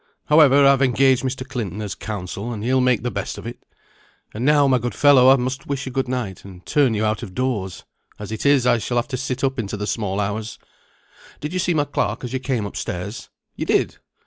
However, I've engaged Mr. Clinton as counsel, and he'll make the best of it. And now, my good fellow, I must wish you good night, and turn you out of doors. As it is, I shall have to sit up into the small hours. Did you see my clerk as you came up stairs? You did!